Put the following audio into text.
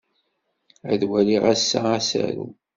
Ad waliɣ ass-a asaru.